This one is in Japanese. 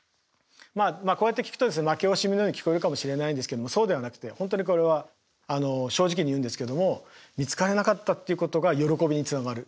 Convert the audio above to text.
こうやって聞くと負け惜しみのように聞こえるかもしれないんですけどもそうではなくて本当にこれは正直に言うんですけども見つからなかったっていうことが喜びにつながる。